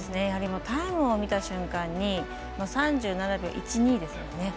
タイムを見た瞬間に３７秒１２ですよね。